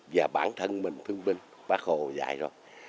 và bản thân mình thương binh bác hồ dạy rồi